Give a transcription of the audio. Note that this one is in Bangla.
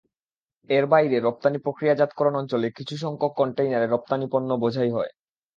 এর বাইরে রপ্তানি প্রক্রিয়াজাতকরণ অঞ্চলে কিছুসংখ্যক কনটেইনারে রপ্তানি পণ্য বোঝাই হয়।